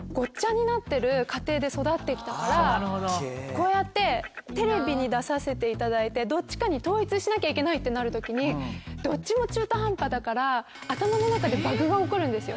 こうやってテレビに出させていただいてどっちかに統一しなきゃいけないってなる時にどっちも中途半端だから頭の中でバグが起こるんですよ。